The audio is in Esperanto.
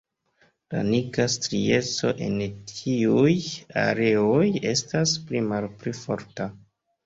La nigra strieco en tiuj areoj estas pli malpli forta.